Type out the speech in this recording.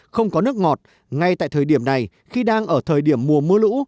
không có nước ngọt ngay tại thời điểm này khi đang ở thời điểm mùa mưa lũ